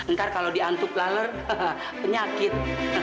ntar kalau diantuk laler penyakit